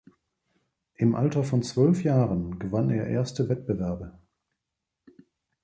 Im Alter von zwölf Jahren gewann er erste Wettbewerbe.